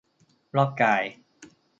รอบกาย